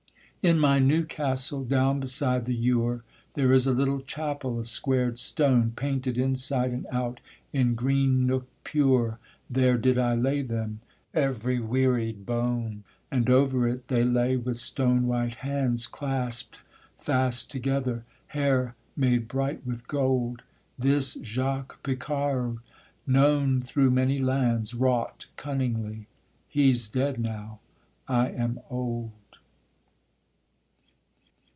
In my new castle, down beside the Eure, There is a little chapel of squared stone, Painted inside and out; in green nook pure There did I lay them, every wearied bone; And over it they lay, with stone white hands Clasped fast together, hair made bright with gold; This Jaques Picard, known through many lands, Wrought cunningly; he's dead now: I am old.